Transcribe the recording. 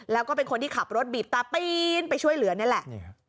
แล้วก็เป็นคนที่ขับรถบีบแต่ปีนไปช่วยเหลือนี่แหละ